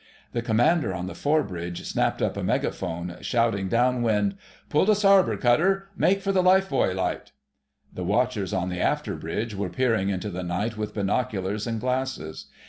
The Commander on the fore bridge snatched up a megaphone, shouting down wind— "Pull to starboard, cutter! Make for the life buoy light!" The watchers on the after bridge were peering into the night with binoculars and glasses.